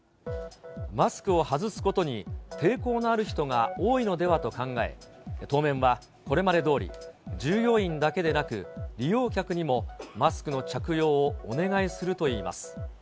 マスクを外すことに抵抗のある人が多いのではと考え、当面はこれまでどおり、従業員だけでなく、利用客にもマスクの着用をお願いするといいます。